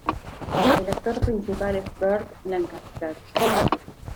El actor principal es Burt Lancaster.